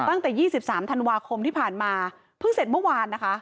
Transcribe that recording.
ตั้งแต่๒๓ธันวาคมที่ผ่านมาเพิ่งเสร็จเมื่อวานนะคะ